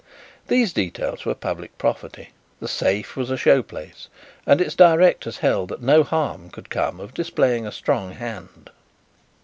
These details were public property. "The Safe" was a showplace and its directors held that no harm could come of displaying a strong hand.